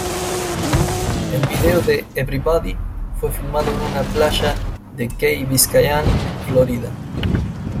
El vídeo de "Everybody" fue filmado en una playa de Key Biscayne, Florida.